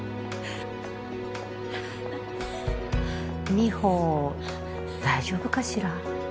美帆大丈夫かしら。